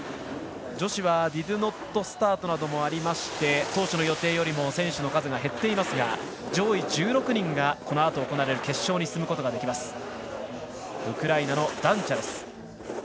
女子はディドゥノットスタートもあり当初の予定よりも選手の数が減っていますが上位１６人がこのあと行われる決勝に進むことができます。